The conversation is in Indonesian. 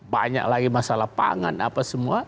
banyak lagi masalah pangan apa semua